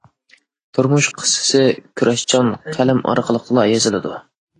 تۇرمۇش قىسسىسى كۈرەشچان قەلەم ئارقىلىقلا يېزىلىدۇ.